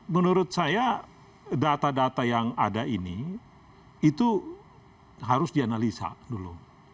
menurut saya data data yang ada ini itu harus dianalisa dulu